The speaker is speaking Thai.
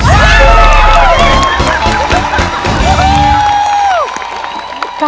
ถูกครับ